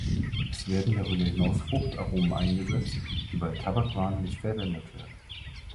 Es werden darüber hinaus Fruchtaromen eingesetzt, die bei Tabakwaren nicht verwendet werden.